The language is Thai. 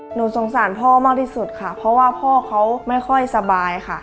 หนูสงสารพ่อมากที่สุดค่ะเพราะว่าพ่อเขาไม่ค่อยสบายค่ะ